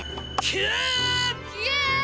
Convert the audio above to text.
きえ！